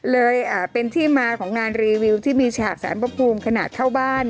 เลยเป็นที่มาของงานรีวิวที่มีฉากสารพระภูมิขนาดเข้าบ้าน